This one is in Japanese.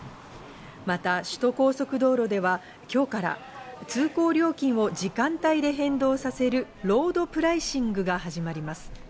また首都高速道路では今日から通行料金を時間帯で変動させるロードプライシングが始まります。